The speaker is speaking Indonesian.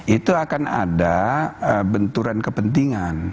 itu akan ada benturan kepentingan